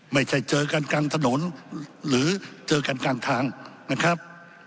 ไม่ใช่เจอกันกลางถนนหรือเจอกันกลางทางนะครับ